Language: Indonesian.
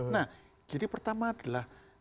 nah jadi pertama adalah krisis di jakarta